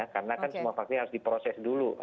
karena kan semua vaksin harus diproses dulu